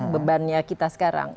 bebannya kita sekarang